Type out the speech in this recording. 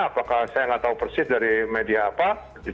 apakah saya nggak tahu persis dari media apa